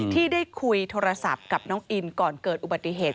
ที่ได้คุยโทรศัพท์กับน้องอินก่อนเกิดอุบัติเหตุ